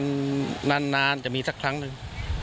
ไม่บ่อยครับน้อยมากมันนานจะมีสักครั้งหนึ่ง